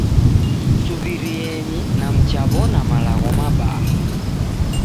Suw'irienyi na mchaw'ona malagho mabaha